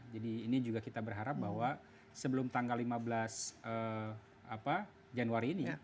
jadi ini juga kita berharap bahwa sebelum tanggal lima belas januari ini